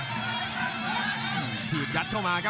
พยายามจะวัดกันที่วงในครับใครจะแกล้งกว่ากัน